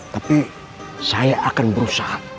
tapi saya akan berusaha